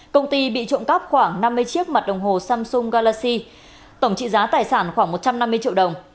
công ty bị trộm cắp khoảng năm mươi chiếc mặt đồng hồ samsung galaxy tổng trị giá tài sản khoảng một trăm năm mươi triệu đồng